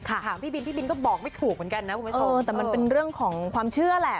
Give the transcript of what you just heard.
ถามพี่บิ๊นก็บอกไม่ถูกเหมือนกันนะคุณผู้ชม